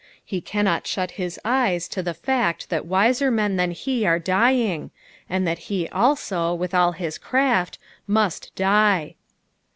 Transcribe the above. He cannot shut his eyes to the fact that wiser men than he are dying, and that he also, with all his craft, must die.